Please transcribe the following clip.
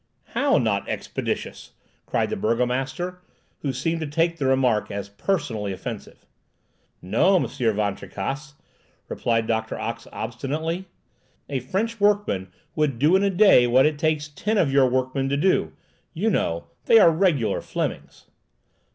"How not expeditious?" cried the burgomaster, who seemed to take the remark as personally offensive. "No, Monsieur Van Tricasse," replied Doctor Ox obstinately. "A French workman would do in a day what it takes ten of your workmen to do; you know, they are regular Flemings!"